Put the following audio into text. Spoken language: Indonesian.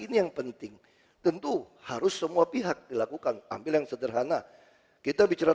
ini yang penting tentu harus semua pihak dilakukan ambil yang sederhana kita bicara